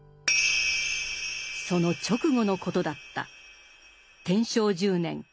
その直後のことだった。